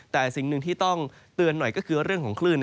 แต่สิ่งหนึ่งที่ต้องเตือนหน่อยก็คือเรื่องของคลื่น